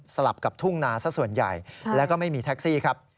กับทุ่งนาสักส่วนใหญ่แล้วก็ไม่มีแท็กซี่ครับ